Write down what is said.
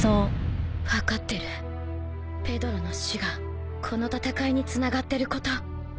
分かってるペドロの死がこの戦いにつながってること。